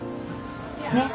ねっ。